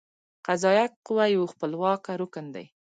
قضائیه قوه یو خپلواکه رکن دی.